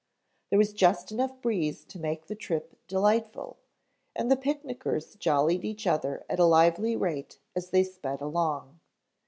There was just enough breeze to make the trip delightful and the picnickers jollied each other at a lively rate as they sped along.